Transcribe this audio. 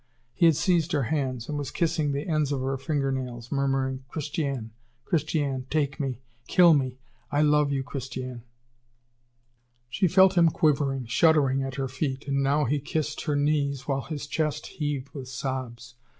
He had seized her hands, and was kissing the ends of her finger nails, murmuring: "Christiane Christiane take me kill me! I love you, Christiane!" She felt him quivering, shuddering at her feet. And now he kissed her knees, while his chest heaved with sobs.